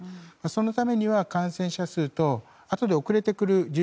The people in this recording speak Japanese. そのためには感染者数とあとで遅れてくる